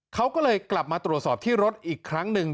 เขาก็เลยกลับมาตรวจสอบที่รถอีกครั้งหนึ่ง